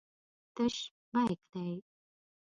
تش بیک دی.